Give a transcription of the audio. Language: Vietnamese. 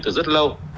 từ rất lâu